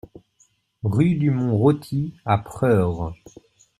Rue du Mont Rôti à Preures